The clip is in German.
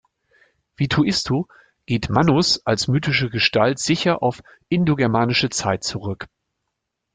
Wie Tuisto geht Mannus als mythische Gestalt sicher auf indogermanische Zeit zurück.